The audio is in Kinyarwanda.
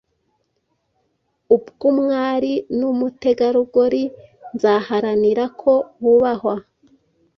ubw’umwari n’umutegarugori. Nzaharanira ko bubahwa,